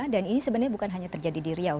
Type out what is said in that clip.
dan ini sebenarnya bukan hanya terjadi di riau